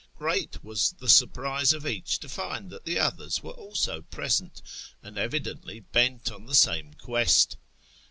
Great was the surprise of each to find that the others were also present, and evidently bent on the same quest.